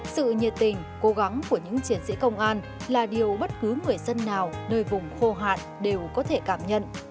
sự nhiệt tình cố gắng của những chiến sĩ công an là điều bất cứ người dân nào nơi vùng khô hạn đều có thể cảm nhận